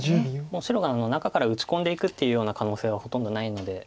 もう白が中から打ち込んでいくっていうような可能性はほとんどないので。